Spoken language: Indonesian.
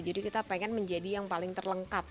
jadi kita pengen menjadi yang paling terlengkap